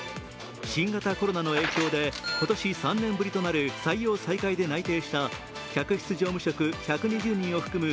新型コロナの影響で今年３年ぶりとなる採用再開で内定した客室乗務職１２０人を含む